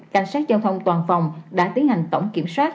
cảnh sát giao thông toàn phòng đã tiến hành tổng kiểm soát